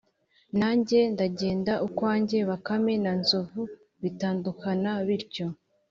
nanjye ndagenda ukwanjye.’bakame na nzovu bitandukana bityo.